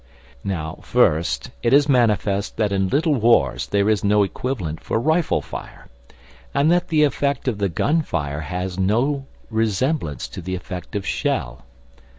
Now, first, it is manifest that in Little Wars there is no equivalent for rifle fire, and that the effect of the gun fire has no resemblance to the effect of shell.